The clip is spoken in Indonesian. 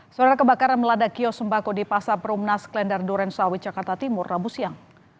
saudara kebakaran melada kios sembako di pasar perumnas klender durensawi jakarta timur rabu siang